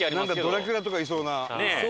ドラキュラとかいそうな。